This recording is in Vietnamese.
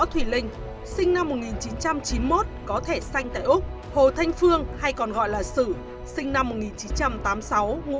thùy linh sinh năm một nghìn chín trăm chín mươi một có thể xanh tại úc hồ thanh phương hay còn gọi là sử sinh năm một nghìn chín trăm tám mươi sáu ngụ